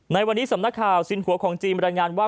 ในวันนี้สำนักข่าวสินหัวของจีนบรรยายงานว่า